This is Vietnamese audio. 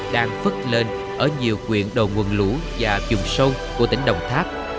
đang phất lên ở nhiều quyện đầu nguồn lũ và dùng sâu của tỉnh đồng tháp